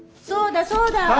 そうだそうだ！